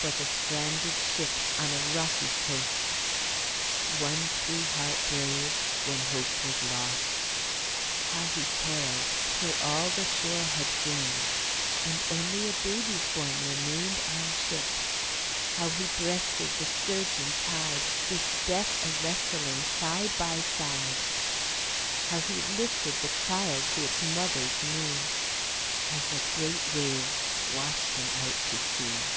'Twas a stranded ship on a rocky coast, One true heart brave, when hope was lost, How he toiled till all the shore had gained, And only a baby form remained On ship, how he breasted the surging tide With Death a wrestling side by side, How he lifted the child to its mother's knee, As a great wave washed him out to sea.